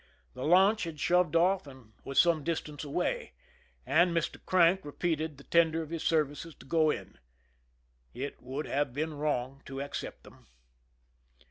The launch had shoved off and was some distance away, and Mr. Crank repeated the tender of his services to go in. It would have been wrong to accept them.